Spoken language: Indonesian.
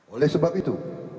oleh sebab itu